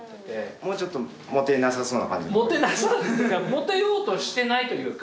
モテようとしてないというか。